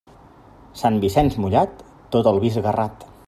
Sant Vicenç mullat, tot el vi esguerrat.